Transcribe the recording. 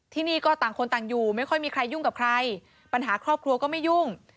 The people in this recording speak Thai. ที่นี่ก็ต่างคนต่างอยู่ไม่ค่อยมีใครยุ่งกับใครปัญหาครอบครัวก็ไม่ยุ่ง